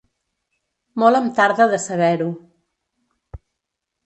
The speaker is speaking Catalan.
Molt em tarda de saber-ho.